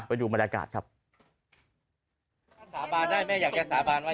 ไปดูบรรยากาศครับสาบานได้ไหมอยากแยกสาบานไหม